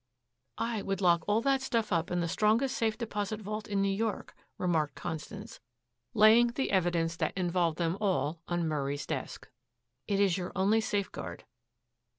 "I would lock all that stuff up in the strongest safe deposit vault in New York," remarked Constance, laying the evidence that involved them all on Murray's desk. "It is your only safeguard."